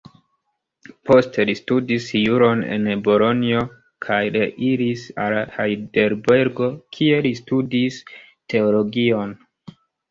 Poste, li studis juron en Bolonjo, kaj reiris al Hajdelbergo kie li studis teologion.